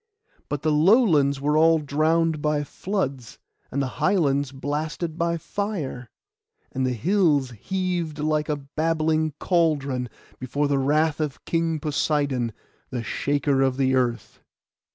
But the lowlands were all drowned by floods, and the highlands blasted by fire, and the hills heaved like a babbling cauldron, before the wrath of King Poseidon, the shaker of the earth.